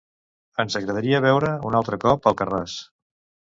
Ens agradaria veure un altre cop "Alcarràs".